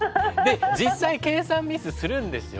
実際計算ミスするんですよ